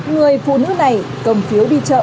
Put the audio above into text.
người phụ nữ này cầm phiếu đi chợ